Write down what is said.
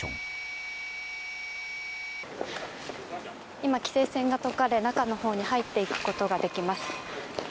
今、規制線がとかれ中のほうに入っていくことができます。